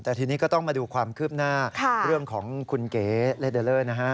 แต่ทีนี้ก็ต้องมาดูความคืบหน้าเรื่องของคุณเก๋เลเดอร์เลอร์นะฮะ